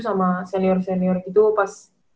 sama senior senior gitu pas